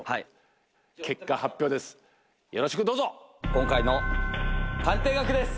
今回の鑑定額です。